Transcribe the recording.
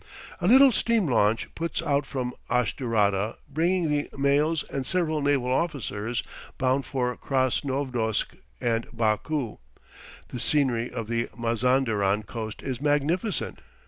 A little steam launch puts out from Ashdurada, bringing the mails and several naval officers bound for Krasnovodsk and Baku. The scenery of the Mazanderan coast is magnificent.